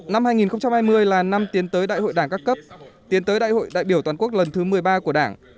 năm hai nghìn hai mươi là năm tiến tới đại hội đảng các cấp tiến tới đại hội đại biểu toàn quốc lần thứ một mươi ba của đảng